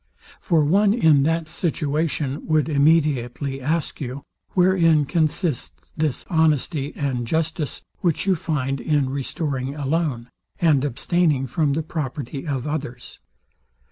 For one in that situation would immediately ask you, WHEREIN CONSISTS THIS HONESTY AND JUSTICE, WHICH YOU FIND IN RESTORING A LOAN, AND ABSTAINING FROM THE PROPERTY OF OTHERS?